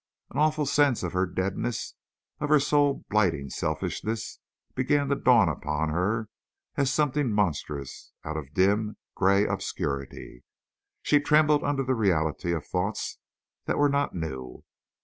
An awful sense of her deadness, of her soul blighting selfishness, began to dawn upon her as something monstrous out of dim, gray obscurity. She trembled under the reality of thoughts that were not new.